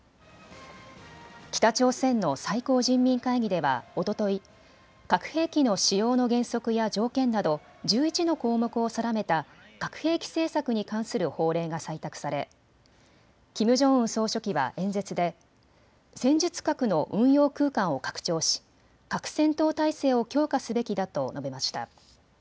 北朝鮮の最高人民会議ではおととい、核兵器の使用の原則や条件など１１の項目を定めた核兵器政策に関する法令が採択されキム・ジョンウン総書記は演説で戦術核の運用空間を拡張し核戦闘態勢を強化すべきだと述べました。